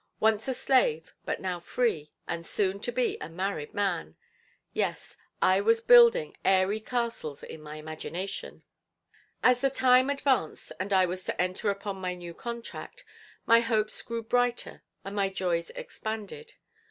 Once a slave, but now free and soon to be a married man. Yes, I was building airy castles in my imagination. As the time advanced and I was to enter upon my new contract, my hopes grew brighter and my joys expanded.